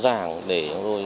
rõ ràng để